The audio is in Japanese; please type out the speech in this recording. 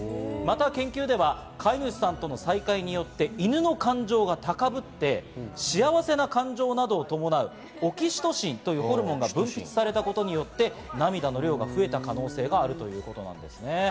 また研究では、飼い主さんとの再会によって犬の感情が高ぶって、幸せな感情などを伴うオキシトシンというホルモンが分泌されたことによって、涙の量が増えた可能性があるということなんですね。